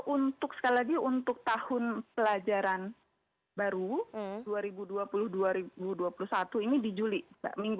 untuk sekali lagi untuk tahun pelajaran baru dua ribu dua puluh dua ribu dua puluh satu ini di juli